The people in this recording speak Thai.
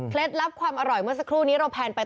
ลับความอร่อยเมื่อสักครู่นี้เราแพนไป